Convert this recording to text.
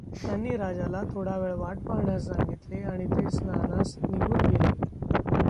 त्यांनी राजाला थोडा वेळ वाट पाहण्यास सांगितले आणि ते स्नानास निघून गेले.